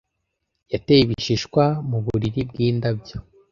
Yateye ibishishwa mu buriri bw'indabyo.